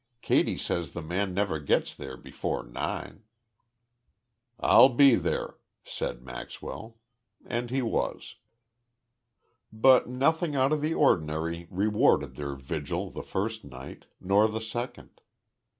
Katy says th' man never gets there before nine." "I'll be there," said Maxwell and he was. But nothing out of the ordinary rewarded their vigil the first night, nor the second.